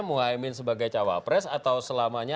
muhaymin sebagai cawapres atau selamanya